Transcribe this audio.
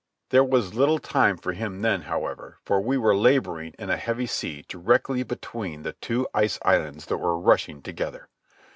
There was little time for him then, however, for we were labouring in a heavy sea directly between the two ice islands that were rushing together.